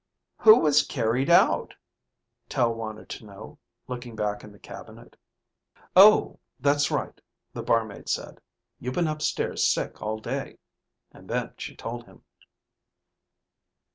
"Who was carried out?" Tel wanted to know, looking back in the cabinet. "Oh, that's right," the barmaid said, "you've been upstairs sick all day." And then she told him.